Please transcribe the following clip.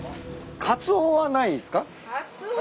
カツオはないっすか？